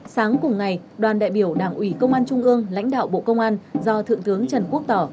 sáng cùng ngày đoàn đại biểu đảng ủy công an trung ương lãnh đạo bộ công an do thượng tướng trần quốc tỏ